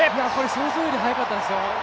想像よりも速かったですよ。